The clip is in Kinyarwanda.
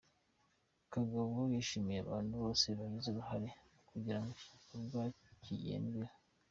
Kagabo yashimiye abantu bose bagize uruhare kugira ngo iki gikorwa kigerweho.